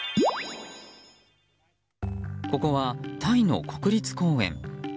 ここはタイの国立公園。